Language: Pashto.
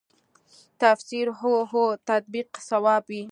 تفسیر هو هو تطبیق صواب وي.